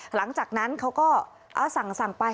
หลังจากนั้นเขาก็สั่งไป